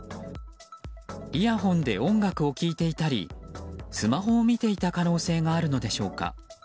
イヤホンで音楽を聴いていたりスマホを見ていた可能性があるのでしょうか。